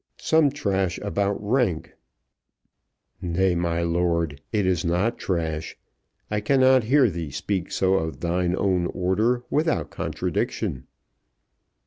"Some trash about rank." "Nay, my lord, it is not trash. I cannot hear thee speak so of thine own order without contradiction."